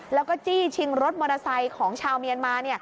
แล้วก็จี้ชิงรถมอเตอร์ไซค์ของชาวเมียนมา